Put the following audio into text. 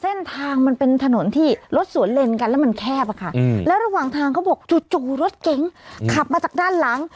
เส้นทางมันเป็นถนนที่รถสวนเลนกันแล้วมันแคบอะค่ะแล้วระหว่างทางเขาบอกจู่รถเก๋งขับมาจากด้านหลัง